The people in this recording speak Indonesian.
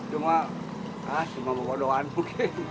cuma cuma berkodohan mungkin